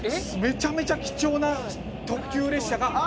「めちゃめちゃ貴重な特急列車が」